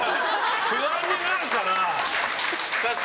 不安になるから！